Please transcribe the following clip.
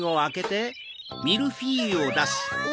お！